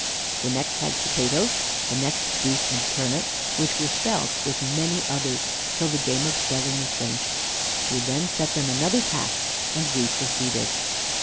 The next had potatoes, the next beef and turnips; which were spelled, with many others, till the game of spelling was finished. She then set them another task, and we proceeded.